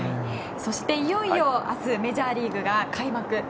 そして、いよいよ明日メジャーリーグが開幕。